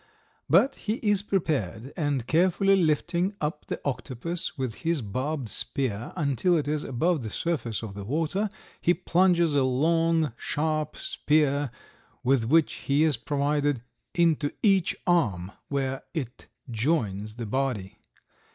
But he is prepared, and carefully lifting up the octopus with his barbed spear until it is above the surface of the water, he plunges a long, sharp spear, with which he is provided, into each arm where it joins the body.